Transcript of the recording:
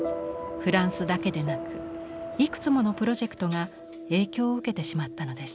フランスだけでなくいくつものプロジェクトが影響を受けてしまったのです。